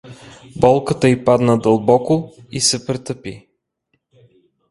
Болката й падна дълбоко и се притъпи.